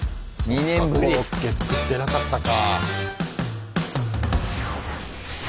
そっかコロッケ作ってなかったか。